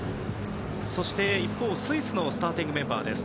そして、一方のスイスのスターティングメンバーです。